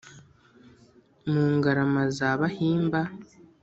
mu ngarama za bahimba